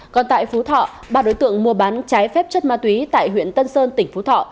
còn tại phú thọ ba đối tượng mua bán trái phép chất ma túy tại huyện tân sơn tỉnh phú thọ